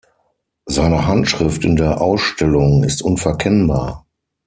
Seine Handschrift in der Ausstellung ist unverkennbar.